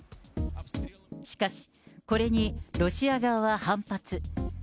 しかし、これにロシア側は反発。